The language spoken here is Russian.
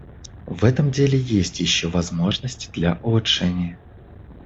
В этом деле есть еще возможности для улучшений.